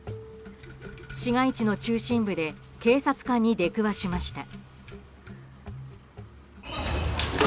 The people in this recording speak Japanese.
市街地の中心部で警察官に出くわしました。